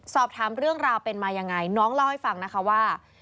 สอบถามเรื่องราวเป็นมายังไงน้องเล่าให้ฟังนะคะว่า